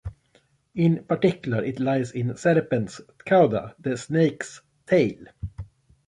In particular, it lies in Serpens Cauda, the snake's tail.